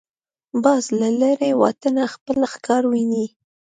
باز له لرې واټنه خپل ښکار ویني